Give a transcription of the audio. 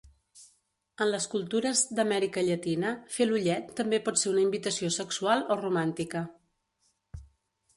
En les cultures d'Amèrica llatina, fer l'ullet també pot ser una invitació sexual o romàntica.